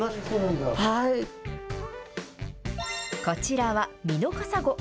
こちらはミノカサゴ。